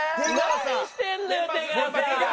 何してんだよ出川さん！